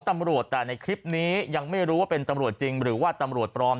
ตำรวจแต่ในคลิปนี้ยังไม่รู้ว่าเป็นตำรวจจริงหรือว่าตำรวจปลอม